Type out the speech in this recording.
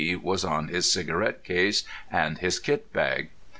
was on his cigarette case and his kit bag.